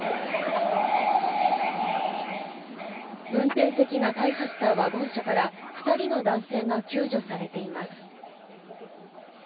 運転席が大破したワゴン車から２人の男性が救助されています。